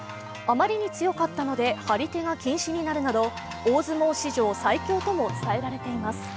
あまりに強かったので、張り手が禁止になるなど、大相撲史上最強とも伝えられています。